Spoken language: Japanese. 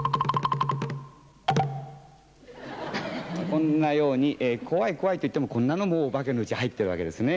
こんなように「コワいコワい」といってもこんなのもお化けのうちに入ってるわけですね。